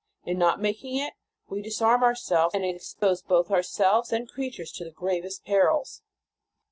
In not making it, we disarm ourselves, and expose both ourselves and creatures to the gravest perils.